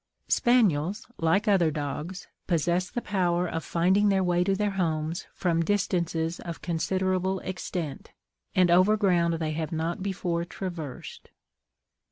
Spaniels, like other dogs, possess the power of finding their way to their homes from distances of considerable extent, and over ground they have not before traversed.